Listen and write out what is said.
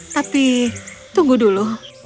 tapi tunggu dulu